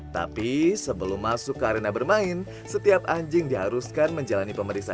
tapi sebelum masuk ke arena bermain setiap anjing diharuskan menjalani pemeriksaan